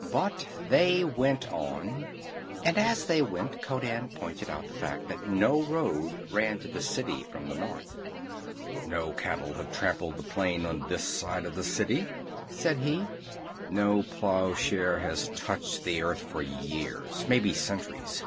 But they went on, and as they went Conan pointed out the fact that no road ran to the city from the north. "No cattle have trampled the plain on this side of the city," said he. "No plowshare has touched the earth for years, maybe centuries.